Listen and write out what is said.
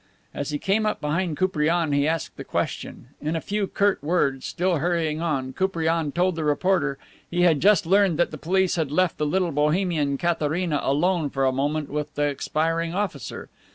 As he came up behind Koupriane, he asked the question. In a few curt words, still hurrying on, Koupriane told the reporter he had just learned that the police had left the little Bohemian Katharina alone for a moment with the expiring officer.